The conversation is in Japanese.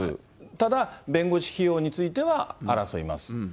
ただ、弁護士費用については、争います。